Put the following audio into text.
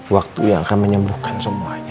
waktu yang akan menyembuhkan semuanya